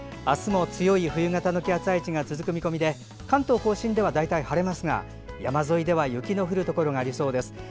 あすも強い冬型の気圧配置が続く見込みで関東・甲信では、大体晴れますが山沿いでは雪の降るところがありそうです。